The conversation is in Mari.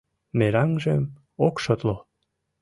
Мераҥжым ок шотло.